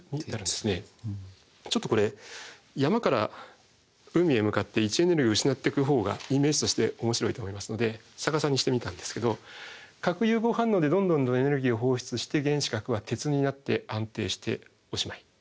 山から海へ向かって位置エネルギーを失っていくほうがイメージとして面白いと思いますので逆さにしてみたんですけど核融合反応でどんどんとエネルギーを放出して原子核は鉄になって安定しておしまい。